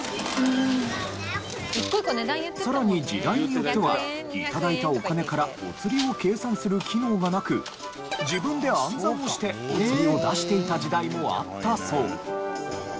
さらに時代によっては頂いたお金からお釣りを計算する機能がなく自分で暗算をしてお釣りを出していた時代もあったそう。